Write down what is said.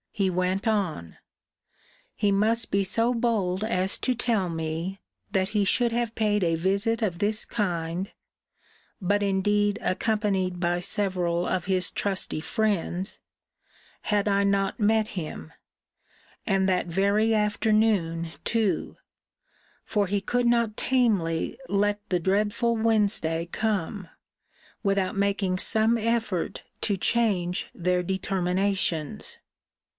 He went on 'He must be so bold as to tell me, that he should have paid a visit of this kind, (but indeed accompanied by several of his trusty friends,) had I not met him; and that very afternoon too; for he could not tamely let the dreadful Wednesday come, without making some effort to change their determinations.'